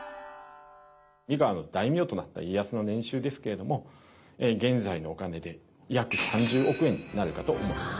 三河の大名となった家康の年収ですけれども現在のお金で約３０億円になるかと思います。